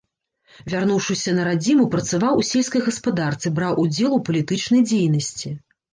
Вярнуўшыся на радзіму, працаваў у сельскай гаспадарцы, браў удзел у палітычнай дзейнасці.